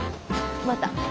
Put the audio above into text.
また。